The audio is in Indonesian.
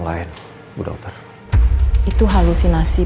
growth dagang perlintirot buat baru